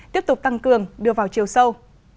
tiếp tục tăng cường đưa vào chiều sâu